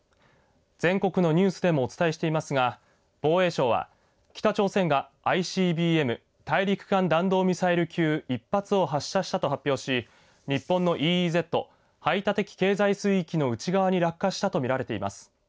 全国のニュースでもお伝えしていますが防衛省は北朝鮮がＩＣＢＭ大陸間弾道ミサイル級１発を発射したと発表し日本のＥＥＺ排他的経済水域の内側に落下したと見られています。